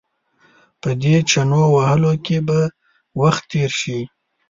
په دې چنو وهلو کې به وخت تېر شي.